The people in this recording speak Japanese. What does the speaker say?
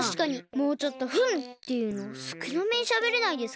もうちょっと「ふんっ！」ていうのすくなめにしゃべれないですか？